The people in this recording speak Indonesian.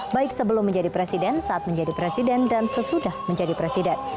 baik sebelum menjadi presiden saat menjadi presiden dan sesudah menjadi presiden